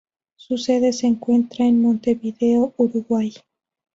Su sede se encuentra en Montevideo, Uruguay.